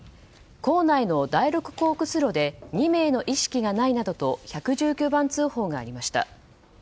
構内の第６コークス炉で２名の意識がないなどと１１９番通報がありました。